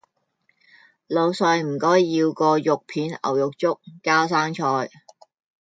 老世唔该要个肉片牛肉粥，加生菜